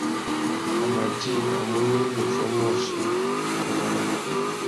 A mà djï a munú enga uffê umôchï râ manô.